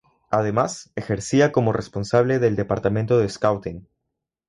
Además, ejercía como responsable del Departamento de Scouting.